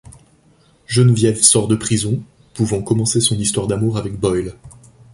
Geneviève sort de prison, pouvant commencer son histoire d'amour avec Boyle.